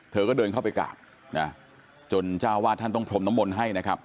เธอก็เดินเข้าไปกราบนะจนเจ้าวาดท่านต้องพรมน้ำมนต์ให้นะครับ